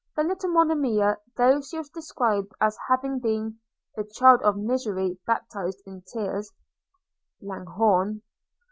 The little Monimia, though she was described as having been 'The child of misery, baptized in tears,' LANGHORN.